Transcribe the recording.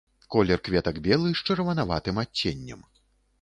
Колер кветак белы з чырванаватым адценнем.